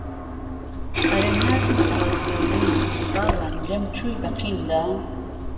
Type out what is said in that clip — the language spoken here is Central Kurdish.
ئهرێ ناردمه خوازبێنی باوان لێم چووی به قیندا